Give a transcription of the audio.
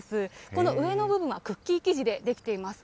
この上の部分はクッキー生地で出来ています。